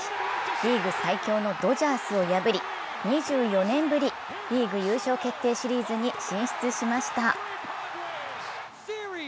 リーグ最強のドジャースを破り２４年ぶりリーグ優勝決定シリーズに進出しました。